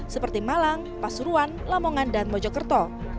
seperti malang pasuruan lamongan dan mojokerto